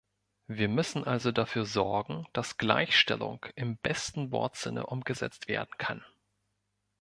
Wir müssen also dafür sorgen, dass Gleichstellung im besten Wortsinne umgesetzt werden kann.